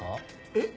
えっ？